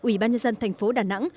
ủy ban nhân dân tp đà nẵng